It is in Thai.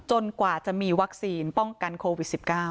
กว่าจะมีวัคซีนป้องกันโควิด๑๙